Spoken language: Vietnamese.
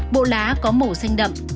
bộ lá có màu xanh đậm